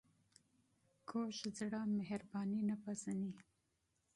کوږ زړه مهرباني نه پېژني